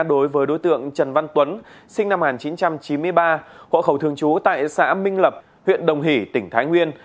đối với đối tượng trần văn tuấn sinh năm một nghìn chín trăm chín mươi ba hộ khẩu thường trú tại xã minh lập huyện đồng hỷ tỉnh thái nguyên